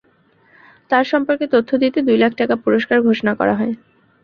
তাঁর সম্পর্কে তথ্য দিতে দুই লাখ টাকা পুরস্কার ঘোষণা করা হয়।